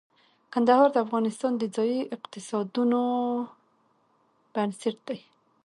کندهار د افغانستان د ځایي اقتصادونو بنسټ دی.